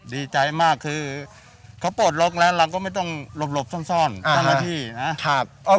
ดีใจมากคือเขาปลดล็อกแล้วเราก็ไม่ต้องหลบหลบซ่อนซ่อนอ่าครับครับ